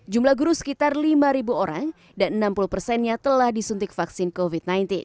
jumlah guru sekitar lima orang dan enam puluh persennya telah disuntik vaksin covid sembilan belas